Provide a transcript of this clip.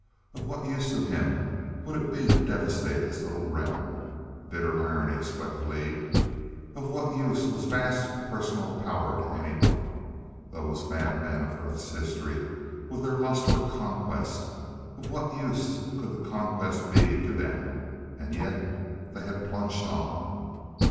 Of what use to him would it be to devastate this little realm? Bitter irony swept Lee. Of what use was vast personal power to anyone? Those madmen of Earth's history, with their lust for conquest of what use could the conquest be to them? And yet they had plunged on.